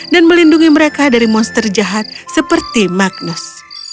dan melindungi mereka dari monster jahat seperti magnus